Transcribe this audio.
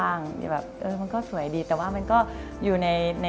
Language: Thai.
มันเหมาะสมกับเรา